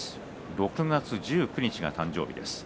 ６月１９日が誕生日です。